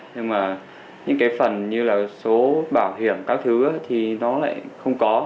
nhưng mà những cái phần như là số bảo hiểm các thứ thì nó lại không có